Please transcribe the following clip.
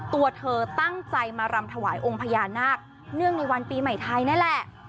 ตัวเธอตั้งใจมารำถวายองค์พญานาคเนื่องในวันปีใหม่ไทยนั่นแหละ